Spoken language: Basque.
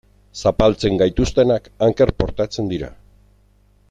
Zapaltzen gaituztenak anker portatzen dira.